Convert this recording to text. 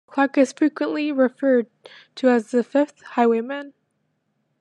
Clark is frequently referred to as The Fifth Highwayman.